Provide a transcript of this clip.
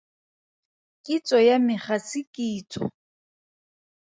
Kitso ya me ga se kitso.